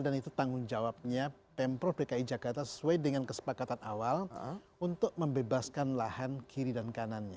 itu tanggung jawabnya pemprov dki jakarta sesuai dengan kesepakatan awal untuk membebaskan lahan kiri dan kanannya